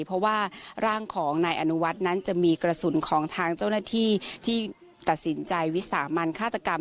เพราะว่าร่างของนายอนุวัฒน์นั้นจะมีกระสุนของทางเจ้าหน้าที่ที่ตัดสินใจวิสามันฆาตกรรม